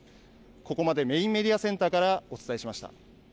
ここまで、メインメディアセンターからお伝えしました。